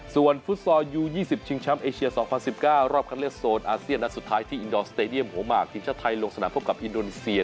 ส่วนฟุสซอร์ยูยี่สิบชิงชำเอเชียสองพันสิบเก้ารอบคัตเรียกโซนอาเซียนนั้นสุดท้ายที่โฮมาร์ทธิตเขจไทยลงสนับพบกับอินโดนิเซีย